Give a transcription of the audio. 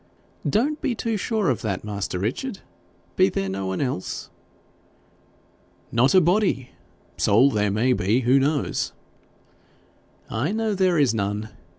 'Don't be too sure of that, master Richard. Be there no one else?' 'Not a body; soul there may be who knows?' 'I know there is none.